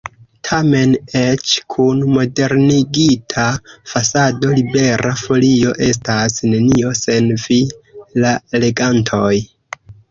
Tamen, eĉ kun modernigita fasado, Libera Folio estas nenio sen vi, la legantoj.